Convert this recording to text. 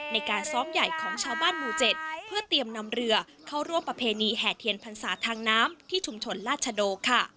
ในการซ้อมใหญ่ของชาวบ้านหมู่๗เพื่อเตรียมนำเรือเข้าร่วมประเพณีแห่เทียนพรรษาทางน้ำที่ชุมชนราชโดค่ะ